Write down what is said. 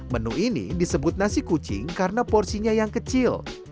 menu ini disebut nasi kucing karena porsinya yang kecil